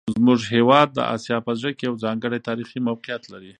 زموږ هیواد د اسیا په زړه کې یو ځانګړی تاریخي موقعیت لري.